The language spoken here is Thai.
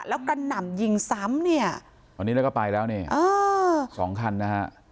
แล้วกระหน่ำยิงซ้ำเนี่ยตอนนี้แล้วก็ไปแล้วเนี่ยสองคันนะฮะ